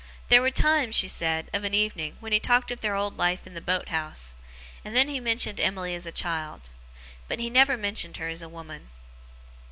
There were times, she said, of an evening, when he talked of their old life in the boat house; and then he mentioned Emily as a child. But, he never mentioned her as a woman.